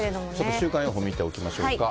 ちょっと週間予報見ておきましょうか。